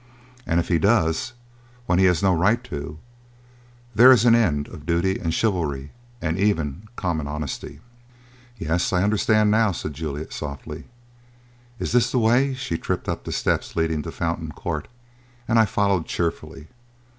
And if he does, when he has no right to, there is an end of duty and chivalry and even common honesty." "Yes, I understand now," said Juliet softly. "Is this the way?" She tripped up the steps leading to Fountain Court and I followed cheerfully.